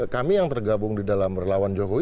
kami yang tergabung di dalam relawan jokowi